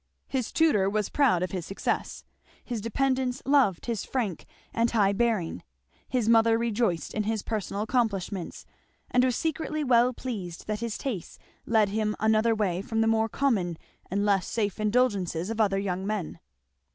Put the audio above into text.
His tutor was proud of his success; his dependants loved his frank and high bearing; his mother rejoiced in his personal accomplishments, and was secretly well pleased that his tastes led him another way from the more common and less safe indulgences of other young men.